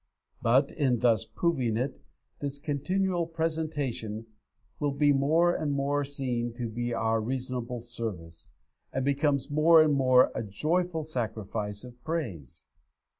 But in thus proving it, this continual presentation will be more and more seen to be our reasonable service, and becomes more and more a joyful sacrifice of praise.